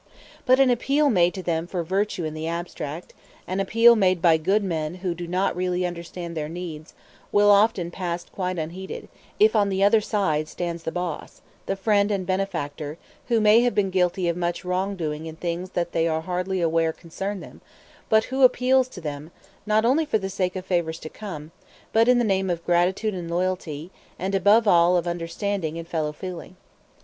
But an appeal made to them for virtue in the abstract, an appeal made by good men who do not really understand their needs, will often pass quite unheeded, if on the other side stands the boss, the friend and benefactor, who may have been guilty of much wrong doing in things that they are hardly aware concern them, but who appeals to them, not only for the sake of favors to come, but in the name of gratitude and loyalty, and above all of understanding and fellow feeling.